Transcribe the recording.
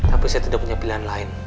tapi saya tidak punya pilihan lain